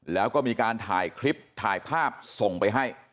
แล้วก็มีการถ่ายคลิปถ่ายภาพส่งไปให้